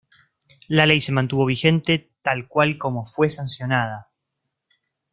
La Ley se mantuvo vigente tal cual como fue sancionada.